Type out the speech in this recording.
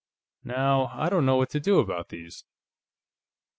"Now, I don't know what to do about these."